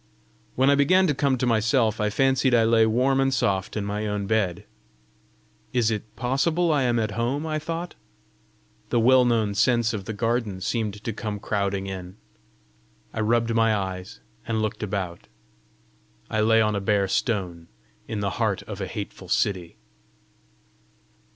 When I began to come to myself, I fancied I lay warm and soft in my own bed. "Is it possible I am at home?" I thought. The well known scents of the garden seemed to come crowding in. I rubbed my eyes, and looked out: I lay on a bare stone, in the heart of a hateful city!